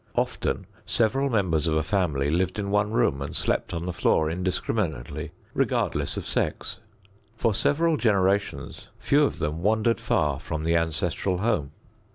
Often several members of a family lived in one room and slept on the floor indiscriminately, regardless of sex. For several generations few of them wandered far from the ancestral home.